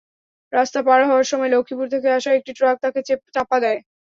রাস্তা পার হওয়ার সময় লক্ষ্মীপুর থেকে আসা একটি ট্রাক তাঁকে চাপা দেয়।